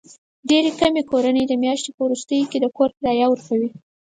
ډېرې کمې کورنۍ د میاشتې په وروستیو کې د کور کرایه ورکوي.